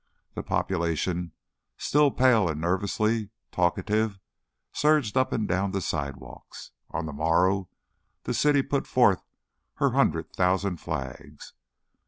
The population, still pale and nervously talkative, surged up and down the sidewalks. On the morrow the city put forth her hundred thousand flags.